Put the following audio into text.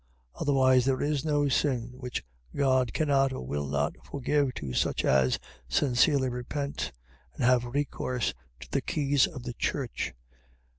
Otherwise there is no sin, which God cannot or will not forgive to such as sincerely repent, and have recourse to the keys of the church.